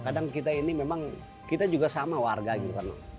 kadang kita ini memang kita juga sama warga gitu kan